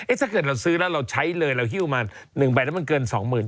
ถ้าเกิดเราซื้อแล้วเราใช้เลยเราหิ้วมา๑ใบแล้วมันเกิน๒๐๐๐